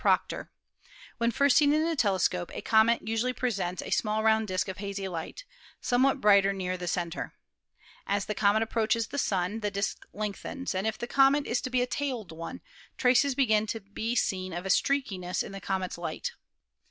Proctor; "When first seen in a telescope, a comet usually presents a small round disk of hazy light, somewhat brighter near 240 ASTRONOMY the center. As the comet approaches the Sun the disk lengthens, and if the comet is to be a tailed one, traces begin to be seen of a streakiness in the comet's light.